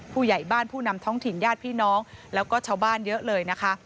ผู้ใหญ่บ้านผู้นำท้องถิ่นญาติพี่น้องแล้วก็ชาวบ้านเยอะเลยนะคะ